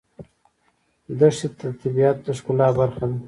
دښتې د طبیعت د ښکلا برخه ده.